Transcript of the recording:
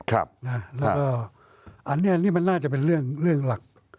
แล้วก็อันนี้นี่มันน่าจะเป็นเรื่องหลัก